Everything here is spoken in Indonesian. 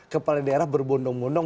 kepala daerah berbondong bondong